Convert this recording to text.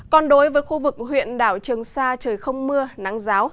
còn đối với khu vực huyện đảo trường sa trời không mưa nắng giáo